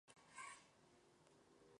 Se recibió de profesora de violín.